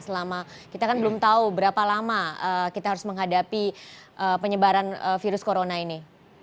selama kita kan belum tahu berapa lama kita harus menghadapi penyebaran virus corona ini